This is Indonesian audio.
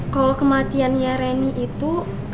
kalo kematiannya reni itu